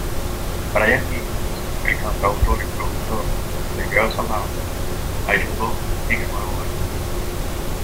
Brian Higgins, el cantautor y productor de "Girls Aloud" ayudó en el nuevo álbum.